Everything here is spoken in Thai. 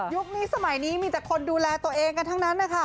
นี้สมัยนี้มีแต่คนดูแลตัวเองกันทั้งนั้นนะคะ